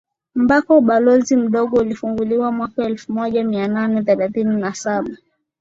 ambako ubalozi mdogo ulifunguliwa mwaka elfumoja mianane thelathini na Saba